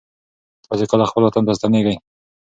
تاسې کله خپل وطن ته ستنېږئ؟